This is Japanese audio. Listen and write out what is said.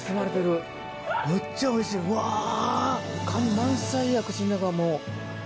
満載や口の中もう。